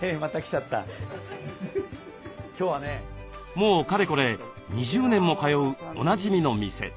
もうかれこれ２０年も通うおなじみの店。